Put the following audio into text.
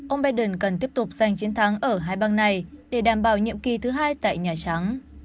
ông biden cần tiếp tục giành chiến thắng ở hai bang này để đảm bảo nhiệm kỳ thứ hai tại nhà trắng